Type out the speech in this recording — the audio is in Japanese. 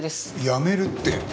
辞めるって。